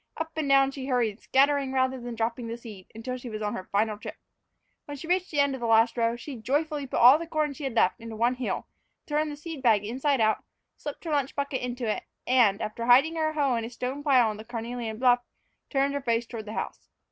Up and down she hurried, scattering rather than dropping the seed, until she was on her final trip. When she reached the end of the last row, she joyfully put all the corn she had left into one hill, turned the seed bag inside out, slipped her lunch bucket into it, and, after hiding her hoe in the stone pile on the carnelian bluff, turned her face toward the house.